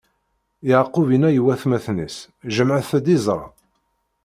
Yeɛqub inna i watmaten-is: Jemɛet-d iẓra.